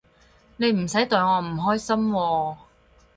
你唔使代我唔開心喎